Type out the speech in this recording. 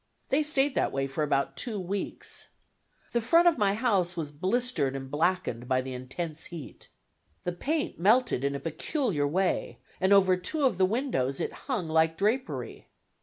They stayed that way for about two weeks. The front of my house was blistered and blackened by the intense heat. The paint melted in a peculiar way, and over two of the windows it hung like drapery.